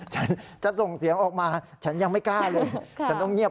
ฉันจะส่งเสียงออกมาฉันยังไม่กล้าเลย